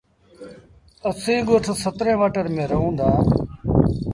اسيٚݩ ڳوٺ سترين وآٽر ميݩ رهوݩ دآ